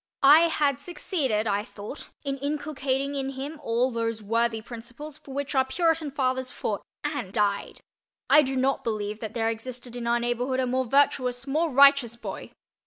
I had succeeded, I thought, in inculcating in him all those worthy principles for which our Puritan fathers fought and—aye—died. I do not believe that there existed in our neighborhood a more virtuous, more righteous boy.